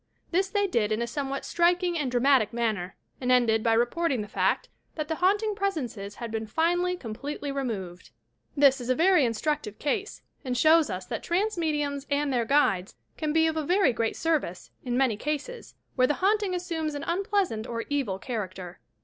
This they did in a somewhat striking and dramatic manner; and ended by reporting the fact that the haunting presences had been finally completely removed ! This is a very instructive case, and shows us that trance mediums and their guides can be of very great service, in many cases, where the haunting assumes an unpleasant or evil character.